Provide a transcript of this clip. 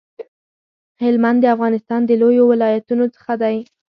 هلمند د افغانستان د لویو ولایتونو څخه دی